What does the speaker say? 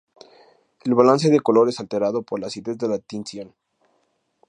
El balance de color es alterado por la acidez de la tinción.